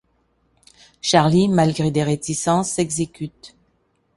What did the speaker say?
Charlie, malgré des réticences, s'exécute.